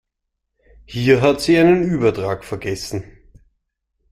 Hier hat sie einen Übertrag vergessen.